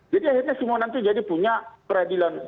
jadi akhirnya semua nanti jadi punya peradilan